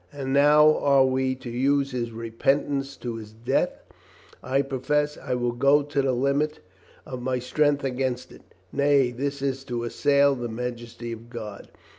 And now are we to use his repentance to his death ? I profess I will go to the limit of my strength against it. Nay, this is to assail the majesty of God.